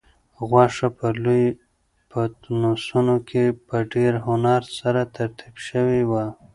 غوښه په لویو پتنوسونو کې په ډېر هنر سره ترتیب شوې وه.